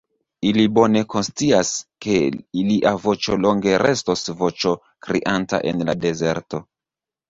Ili bone konscias, ke ilia voĉo longe restos voĉo krianta en la dezerto.